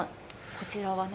こちらはね。